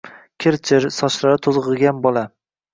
Kir-chir, sochlari toʻzgʻigan bola.